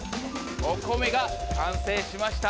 お米が完成しました。